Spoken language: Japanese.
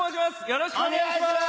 よろしくお願いします！